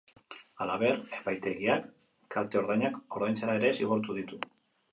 Halaber, epaitegiak kalte-ordainak ordaintzera ere zigortu ditu.